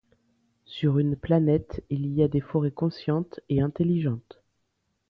Sur une planète, il y a des Forêts conscientes et intelligentes.